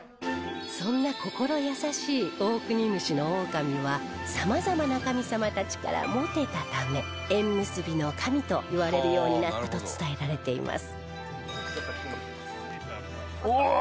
そんな心優しい大国主大神は様々な神様たちからモテたため縁結びの神といわれるようになったと伝えられています